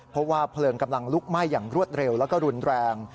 เพราะว่าเพลิงกำลังลุกไหม้อย่างรวดเร็วแล้วก็รุนแรง